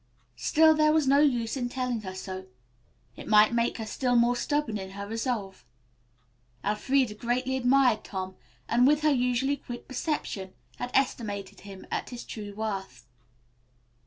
Still there was no use in telling her so. It might make her still more stubborn in her resolve. Elfreda greatly admired Tom, and, with her usually quick perception, had estimated him at his true worth.